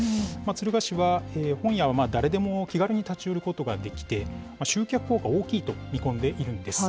敦賀市は、本屋は誰でも気軽に立ち寄ることができて、集客効果、大きいと見込んでいるんです。